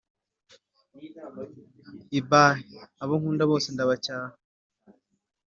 Ibh Abo nkunda bose ndabacyaha